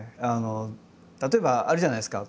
例えばあるじゃないですか